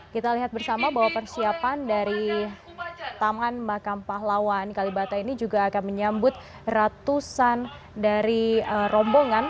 kita lihat bersama bahwa persiapan dari taman makam pahlawan kalibata ini juga akan menyambut ratusan dari rombongan